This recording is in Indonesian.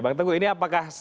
bang teguh ini apakah